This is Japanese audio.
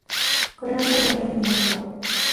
これが最期の笑みになるとは。